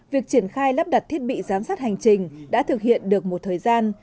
việc triển khai lắp đặt thiết bị giám sát hành trình đã thực hiện được một thời gian